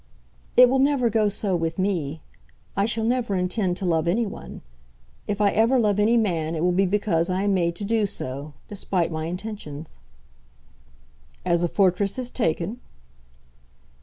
"It will never go so with me. I shall never intend to love any one. If I ever love any man it will be because I am made to do so, despite my intentions." "As a fortress is taken?"